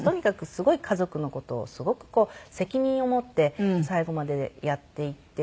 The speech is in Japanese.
すごい家族の事をすごく責任を持って最後までやっていて。